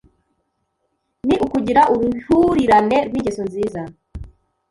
ni ukugira uruhurirane rw’ingeso nziza